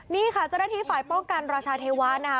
นี่ค่ะเจ้าหน้าที่ฝ่ายป้องกันราชาเทวะนะคะ